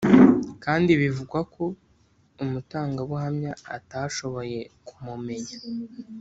kandi bivugwa ko umutangabuhamya atashoboye kumumenya